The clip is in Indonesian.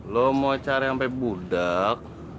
lo mau cari sampai budak